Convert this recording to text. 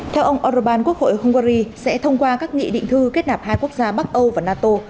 theo ông orbán quốc hội hungary sẽ thông qua các nghị định thư kết nạp hai quốc gia bắc âu và nato